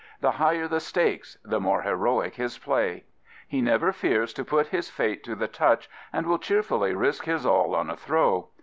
The higher the stakes, the more heroic his play. He never fears to put his fate to the touch, and will cheer fully risk his aU on a throw.